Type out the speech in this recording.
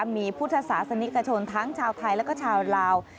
มีพุทธศาสนิกชนทั้งชาวไทยแล้วก็ชาวลาว